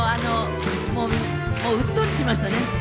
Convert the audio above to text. うっとりしましたね。